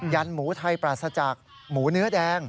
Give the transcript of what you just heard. ันหมูไทยปราศจากหมูเนื้อแดง